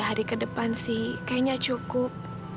hari ke depan sih kayaknya cukup